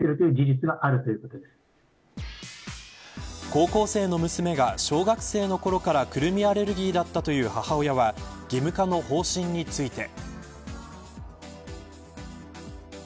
高校生の娘が小学生のころからクルミアレルギーだったという母親は義務化の方針について。